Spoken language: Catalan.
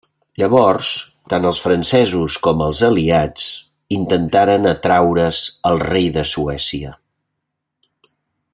Llavors, tant els francesos com els aliats intentaren atraure's el rei de Suècia.